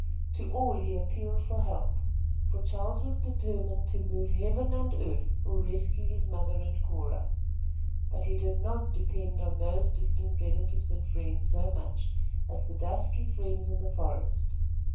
To all he appealed for help, for Charles was determined to move heaven and earth or rescue his mother and Cora; but he did not depend on those distant relatives and friends so much as the dusky friends in the forest.